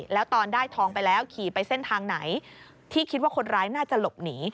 แล้วตอนได้ทองไปแล้วขี่ไปเส้นทางไหนที่คิดว่าคนร้ายน่าจะหลบหนี